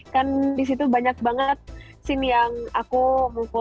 kan disitu banyak banget scene yang aku mukul jeffrey nicole